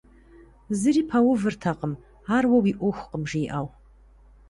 Зыри пэувыртэкъым, ар уэ уи Ӏуэхукъым, жиӀэу.